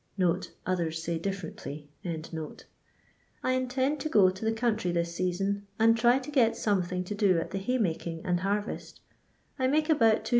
(Others say differently.) " I intend to go to the country this season, and try to get something to do at the hay making and harvest I make about 2t, 6d.